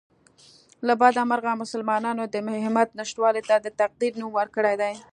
له بده مرغه مسلمانانو د همت نشتوالي ته د تقدیر نوم ورکړی دی